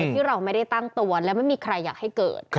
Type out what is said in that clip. ที่เราไม่ได้ตั้งตัวและไม่มีใครอยากให้เกิด